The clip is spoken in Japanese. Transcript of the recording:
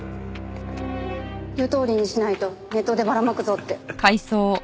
言うとおりにしないとネットでばらまくぞって。